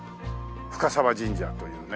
深澤神社というね